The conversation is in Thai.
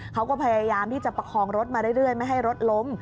เขาก็พยายามที่จะประคองรถมาเรื่อยไม่ให้รถล้ม